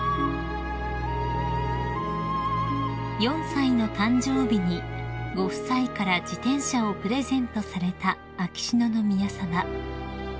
［４歳の誕生日にご夫妻から自転車をプレゼントされた秋篠宮さま］